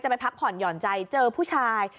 ไปพักผ่อนหย่อนใจเจอผู้ชาย